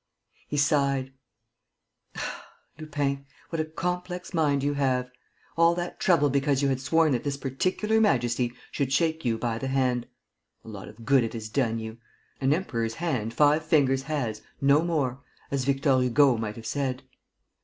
He sighed: "Ah, Lupin, what a complex mind you have! All that trouble because you had sworn that this particular Majesty should shake you by the hand! A lot of good it has done you! 'An Emperor's hand five fingers has, no more,' as Victor Hugo might have said."